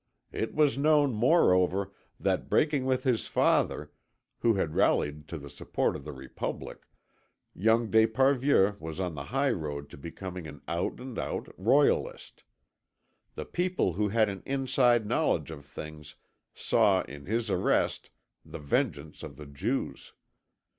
It was known, moreover, that breaking with his father, who had rallied to the support of the Republic, young d'Esparvieu was on the high road to becoming an out and out Royalist. The people who had an inside knowledge of things saw in his arrest the vengeance of the Jews.